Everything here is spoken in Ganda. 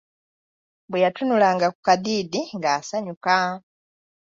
Bwe yatunulanga ku Kadiidi nga asanyuka